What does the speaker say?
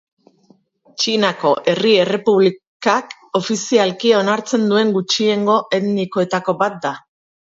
Txinako Herri Errepublikak ofizialki onartzen duen gutxiengo etnikoetako bat da.